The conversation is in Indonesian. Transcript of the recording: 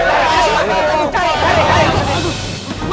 aduh aduh aduh